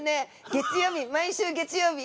月曜日毎週月曜日。